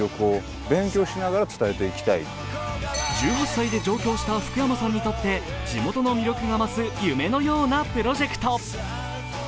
１８歳で上京した福山さんにとって地元の魅力が増す、夢のようなプロジェクト。